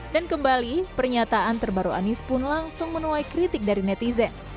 dan kembali pernyataan terbaru anies pun langsung menuai kritik dari netizen